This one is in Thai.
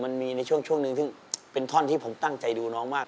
มันมีในช่วงหนึ่งซึ่งเป็นท่อนที่ผมตั้งใจดูน้องมาก